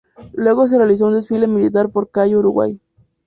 Luego se realizó un desfile militar por calle Uruguay.